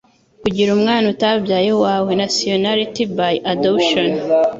k'ukugira umwana utabyaye uwawe (nationality by adoption)